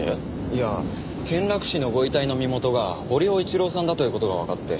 いや転落死のご遺体の身元が堀尾一郎さんだという事がわかって。